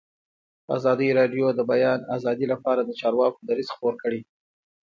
ازادي راډیو د د بیان آزادي لپاره د چارواکو دریځ خپور کړی.